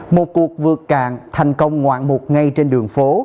một cuộc vượt cạn thành công ngoạn mục ngay trên đường phố